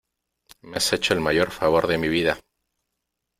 me has hecho el mayor favor de mi vida .